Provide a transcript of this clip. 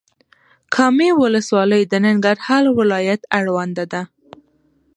کامې ولسوالۍ د ننګرهار ولايت اړوند ده.